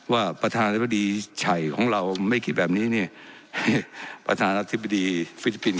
ประธานาธิบดีชัยของเราไม่คิดแบบนี้เนี่ยประธานาธิบดีฟิลิปปินส